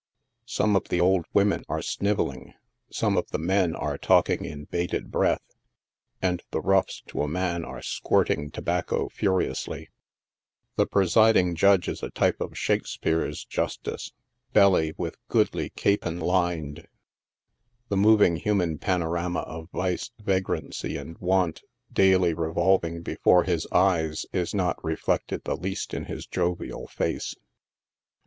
Some of the old women are snivelling, some of the men are talking in bated breath, and the roughs to a man are squirting tobacco furiously. The presiding Judge is a type of Shakespeare's Justice —" belly with goodly capon lined." The moving human panorama of vice, vagrancy and want daily revolving before his eyes, is not reflected the least in his jovial face.